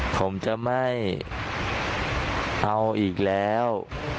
ผมจะไม่เอาอีกแล้ว